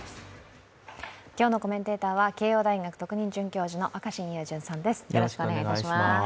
今日のコメンテーターは慶応大学特任准教授の若新雄純さんです。